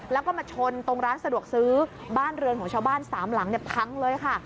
แล้วก็มาชนตรงร้านสะดวกซื้อบ้านเรือนของชาวบ้านสามหลังเนี่ยพังเลยค่ะ